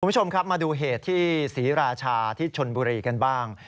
คุณผู้ชมครับมาดูเหตุที่ศรีราชาที่ชนบุรีกันบ้าง